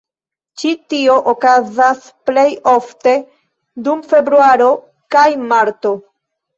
Ĉi tio okazas plejofte dum februaro kaj marto.